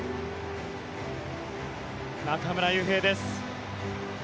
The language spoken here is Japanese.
中村悠平です。